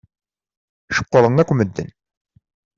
Ceqqṛen akk medden.